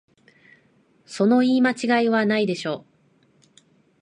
その言い間違いはないでしょ